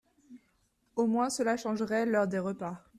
Au moins cela changerait l'heure des repas !